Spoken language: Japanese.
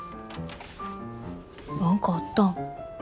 何かあったん？